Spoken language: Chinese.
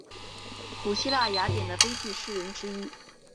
古希腊雅典的悲剧诗人之一。